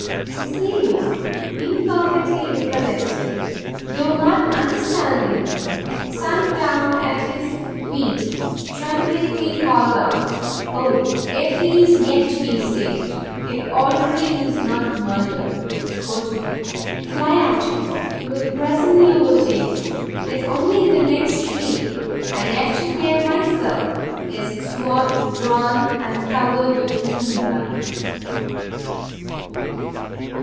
Cecilia, imperfectly recollecting, though not understanding him, sunk down at his feet, tremblingly called out, "Oh, if he is yet to be saved, if already he is not murdered, go to him! fly after him! you will presently overtake him, he is only in the next street, I left him there myself, his sword drawn, and covered with human blood!"